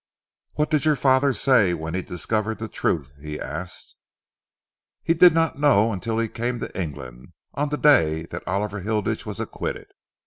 "What did your father say when he discovered the truth?" he asked. "He did not know it until he came to England on the day that Oliver Hilditch was acquitted.